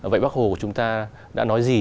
vậy bác hồ của chúng ta đã nói gì